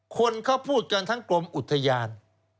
คนเขาพูดกันทั้งกรมอุทยาน